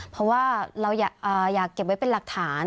เพราะว่าเราอยากเก็บไว้เป็นหลักฐาน